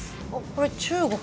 これ中国。